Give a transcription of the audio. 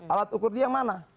alat ukur dia yang mana